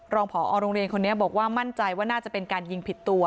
ผอโรงเรียนคนนี้บอกว่ามั่นใจว่าน่าจะเป็นการยิงผิดตัว